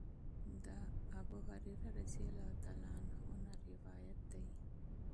د ابوهريره رضی الله عنه نه روايت دی